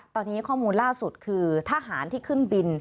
ตอนนี้ข้อมูลล่าสุดคือทหารที่ขึ้นบิน